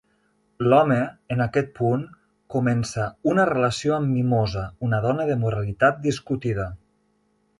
L'home, en aquest punt, comença una relació amb Mimosa, una dona de moralitat discutida.